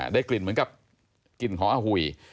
ได้กลิ่นเหมือนกับกลิ่นหอหุย